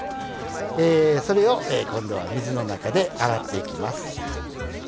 えそれを今度は水の中で洗っていきます。